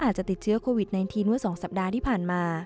อาจจะติดเชื้อโควิด๑๙เมื่อ๒สัปดาห์ที่ผ่านมา